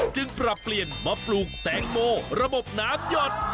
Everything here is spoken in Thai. ปรับเปลี่ยนมาปลูกแตงโมระบบน้ำหยด